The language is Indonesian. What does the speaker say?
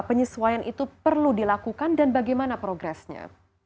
penyesuaian itu perlu dilakukan dan bagaimana progresnya